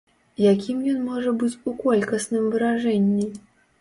Якім ён можа быць у колькасным выражэнні?